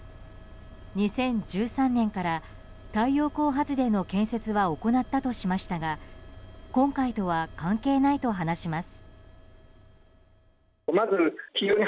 ２０１３年から太陽光発電の建設は行ったとしましたが今回とは関係ないと話します。